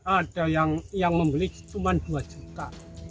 ada yang membeli cuma dua juta